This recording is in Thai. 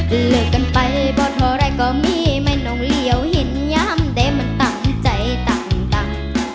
เหลือกกันไปบอดเท่าไรก็มีไม่นองเหลี่ยวเห็นย้ำแต่มันต่างใจต่างต่าง